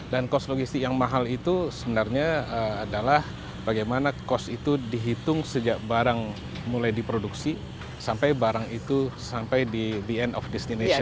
dan cost logistik yang mahal itu sebenarnya adalah bagaimana cost itu dihitung sejak barang mulai diproduksi sampai barang itu sampai di end of destination